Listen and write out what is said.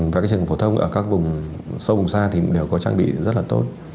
và các trường phổ thông ở các vùng sâu vùng xa thì đều có trang bị rất là tốt